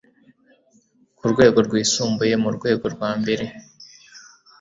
ku rwego rwisumbuye mu rwego rwa mbere